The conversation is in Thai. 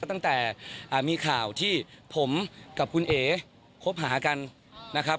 ตั้งแต่มีข่าวที่ผมกับคุณเอ๋คบหากันนะครับ